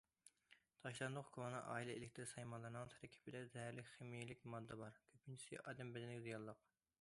تاشلاندۇق كونا ئائىلە ئېلېكتىر سايمانلىرىنىڭ تەركىبىدە زەھەرلىك خىمىيەلىك ماددا بار، كۆپىنچىسى ئادەم بەدىنىگە زىيانلىق.